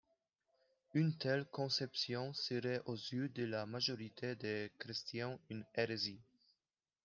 Une telle conception serait aux yeux de la majorité des chrétiens une hérésie.